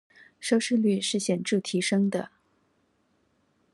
收視率是顯著提升的